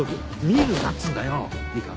見るなっつうんだよ。いいか？